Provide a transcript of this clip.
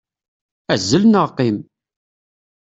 Azzel neɣ qqim!